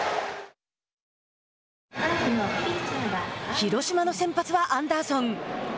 広島の先発はアンダーソン。